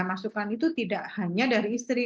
masukan itu tidak hanya dari istri